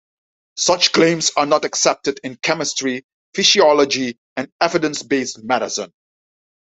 Such claims are not accepted in chemistry, physiology, and evidence-based medicine.